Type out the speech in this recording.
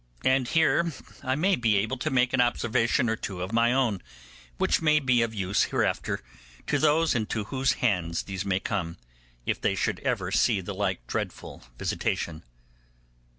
And here I may be able to make an observation or two of my own, which may be of use hereafter to those into whose hands these may come, if they should ever see the like dreadful visitation.